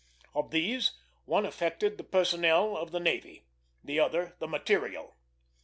Of these, one affected the personnel of the navy, the other the material.